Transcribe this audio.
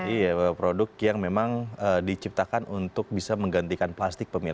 iya produk yang memang diciptakan untuk bisa menggantikan plastik pemirsa